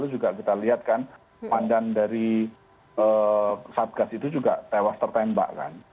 juga kita lihat kan pandan dari satgas itu juga tewas tertembak kan